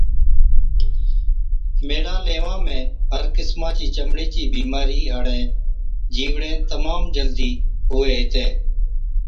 ميڙان ليوان ۾ هر قِسما چي چمڙي چِي بِيمارِي هاڙين جِيوڙين تمام جلدِي هُوي هِتين۔